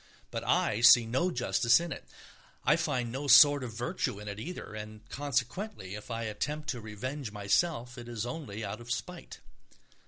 But I see no justice in it, I find no sort of virtue in it either, and consequently if I attempt to revenge myself, it is only out of spite.